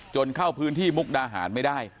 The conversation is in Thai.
เข้าพื้นที่มุกดาหารไม่ได้